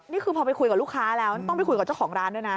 นี่คือพอไปคุยกับลูกค้าแล้วต้องไปคุยกับเจ้าของร้านด้วยนะ